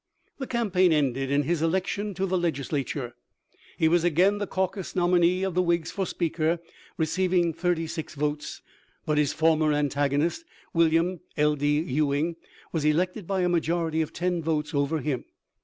The campaign ended in his election to the Legis lature. He was again the caucus nominee of the Whigs for Speaker, receiving thirty six votes ; but his former antagonist, William L. D. Ewing, was elected by a majority of ten votes over him.